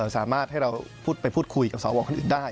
สามารถให้เราไปพูดคุยกับสวคนอื่นได้